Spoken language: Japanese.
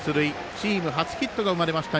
チーム初ヒットが生まれました